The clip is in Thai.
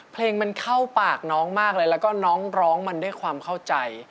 เพลงมันเข้าปากน้องมากเลยแล้วก็น้องร้องมันด้วยความเข้าใจ